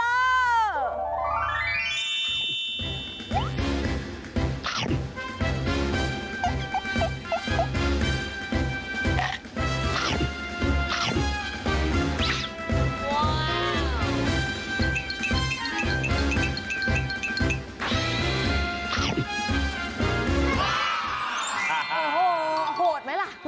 โอ้โหโหดไหมล่ะคุณพ่อ